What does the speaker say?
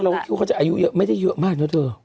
ครูเขาอายุเยอะไม่ได้เยอะมากนะเธอ